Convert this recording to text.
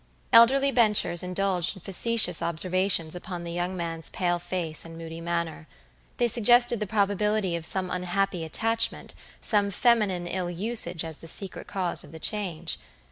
Elderly benchers indulged in facetious observations upon the young man's pale face and moody manner. They suggested the probability of some unhappy attachment, some feminine ill usage as the secret cause of the change.